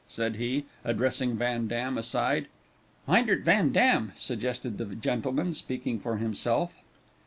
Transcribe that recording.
said he, addressing Van Dam, aside. "Myndert Van Dam," suggested the gentleman speaking for himself.